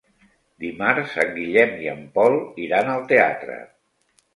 Dimarts en Guillem i en Pol iran al teatre.